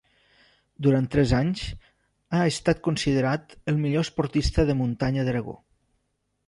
Durant tres anys ha estat considerat el Millor Esportista de Muntanya d'Aragó.